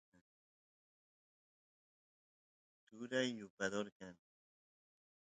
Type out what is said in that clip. turay yupador kan